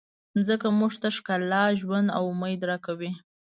مځکه موږ ته ښکلا، ژوند او امید راکوي.